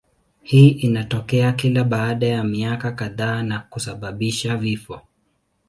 Hii inatokea kila baada ya miaka kadhaa na kusababisha vifo.